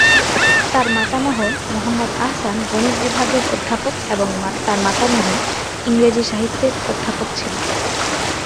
তার মাতামহ মোহাম্মদ আহসান গণিত বিভাগের অধ্যাপক এবং তার মাতামহী ইংরেজি সাহিত্যের অধ্যাপক ছিলেন।